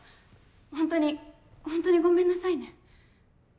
ホントにホントにごめんなさいね